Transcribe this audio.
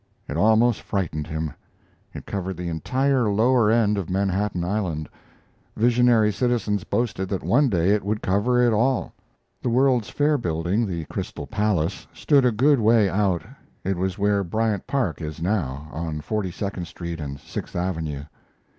It almost frightened him. It covered the entire lower end of Manhattan Island; visionary citizens boasted that one day it would cover it all. The World's Fair building, the Crystal Palace, stood a good way out. It was where Bryant Park is now, on Forty second Street and Sixth Avenue.